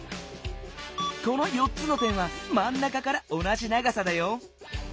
この４つの点はまんなかから同じ長さだよ。